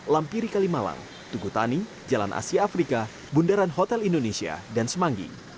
lampiri kalimalang tugutani jalan asia afrika bundaran hotel indonesia dan semanggi